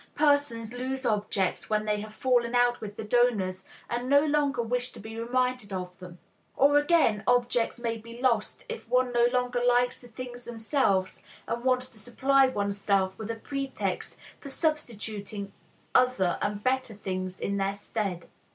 Persons lose objects when they have fallen out with the donors, and no longer wish to be reminded of them. Or again, objects may be lost if one no longer likes the things themselves, and wants to supply oneself with a pretext for substituting other and better things in their stead.